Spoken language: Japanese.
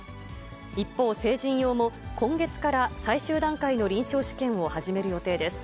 一方、成人用も、今月から最終段階の臨床試験を始める予定です。